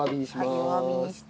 はい弱火にして。